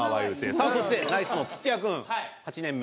さあそしてナイツの土屋君８年目。